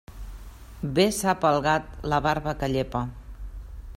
Bé sap el gat la barba que llepa.